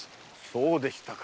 そうでしたか。